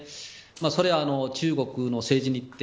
それは中国の政治日程